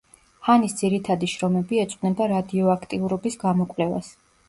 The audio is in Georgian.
ჰანის ძირითადი შრომები ეძღვნება რადიოაქტიურობის გამოკვლევას.